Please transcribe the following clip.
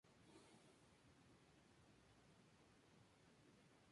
El Camino Militar Georgiano es la principal ruta para cruzar el Gran Cáucaso.